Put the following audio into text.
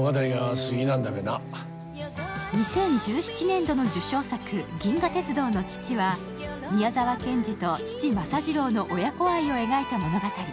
２０１７年度の受賞作「銀河鉄道の父」は宮澤賢治と父、政次郎の親子愛を描いた物語。